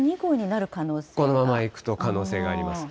このままいくと、可能性があります。